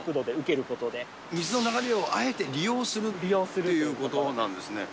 水の流れをあえて利用するということなんですね。